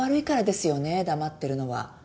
黙ってるのは。